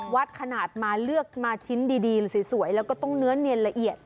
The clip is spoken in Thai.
วัดขนาดมาเลือกมาชิ้นดีสวยแล้วก็ต้องเนื้อเนียนละเอียด